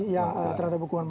yang terhadap hukuman mati